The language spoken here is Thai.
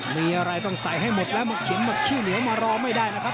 มีอะไรต้องใส่ให้หมดแล้วมาเขียนชื่อเหนียวมารอไม่ได้นะครับ